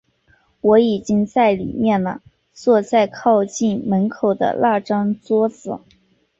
我已经在里面了，坐在靠近门口的那张桌子。